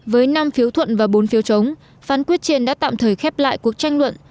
với năm phiếu thuận và bốn phiếu chống phán quyết trên đã tạm thời khép lại cuộc tranh luận